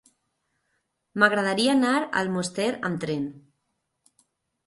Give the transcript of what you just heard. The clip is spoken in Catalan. M'agradaria anar a Almoster amb tren.